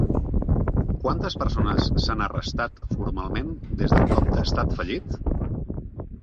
Quantes persones s'han arrestat formalment des del cop d'Estat fallit?